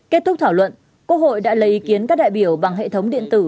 kết thúc thảo luận quốc hội đã lấy ý kiến các đại biểu bằng hệ thống điện tử